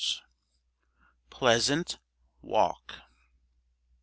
PLEASANT WALK.